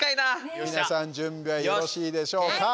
皆さん準備はよろしいでしょうか？